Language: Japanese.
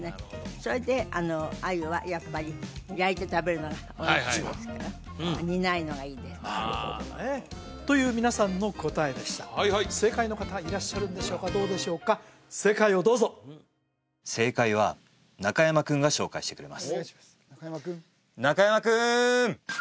それでアユはやっぱり焼いて食べるのがおいしいですから煮ないのがいいですなるほどねという皆さんの答えでした正解の方はいらっしゃるんでしょうかどうでしょうか正解をどうぞ正解は中山君が紹介してくれます中山君！